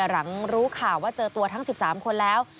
หลังรู้ข่าวว่าเจอตัวทั้ง๑๓คนแล้ว